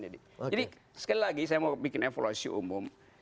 jadi sekali lagi saya mau bikin evaluasi umum